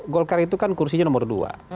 golkar itu kan kursinya nomor dua